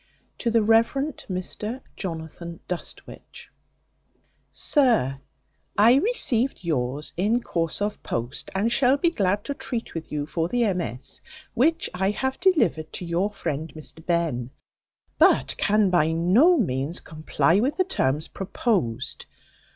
To the Revd. Mr JONATHAN DUSTWICH, at SIR, I received yours in course of post, and shall be glad to treat with you for the M.S. which I have delivered to your friend Mr Behn; but can by no means comply with the terms proposed.